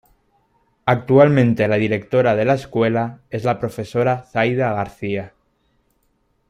Actualmente la directora de la escuela es la profesora Zaida García.